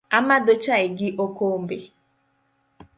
Amadho chai gi okombe